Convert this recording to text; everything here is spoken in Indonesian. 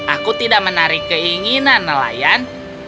aku tidak menarik keinginan nelayan